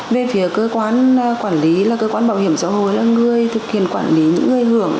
về phía cơ quan quản lý là cơ quan bảo hiểm xã hội là người thực hiện quản lý những người hưởng